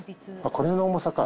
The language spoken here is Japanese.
これの重さか。